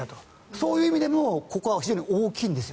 そういう意味でもここは非常に大きいんです。